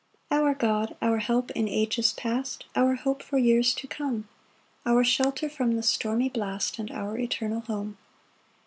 1 Our God, our help in ages past, Our hope for years to come, Our shelter from the stormy blast, And our eternal home.